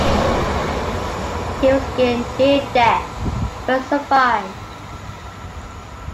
He was again near death, but survived.